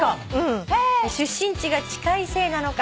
「出身地が近いせいなのか。